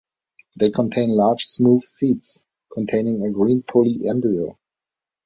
They contain large smooth seeds, containing a green polyembryo.